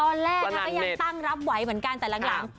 ตอนแรกก็ยังตั้งรับไหวเหมือนกันแต่หลัง